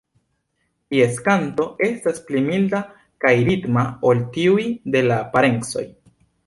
Ties kanto estas pli milda kaj ritma ol tiuj de la parencoj.